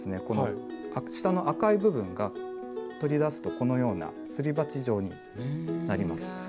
この下の赤い部分が取り出すとこのようなすり鉢状になります。